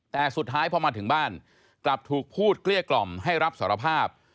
แต่สุดท้ายพอมาถึงบ้านกลับถูกพูดเกลี้ยกล่อมให้รับสารภาพ